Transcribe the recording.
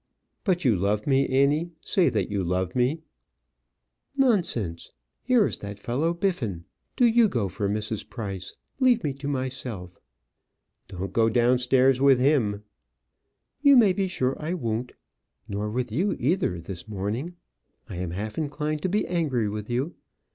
"But you love me, Annie? say that you love me." "Nonsense. Here is that fellow, Biffin. Do you go for Mrs. Price leave me to myself." "Don't go down stairs with him." "You may be sure I won't nor with you either this morning. I am half inclined to be angry with you."